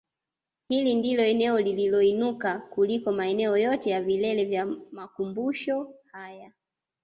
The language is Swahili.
Hili ndilo eneo lililoinuka kuliko maeneo yote ya vilele vya makumbumsho haya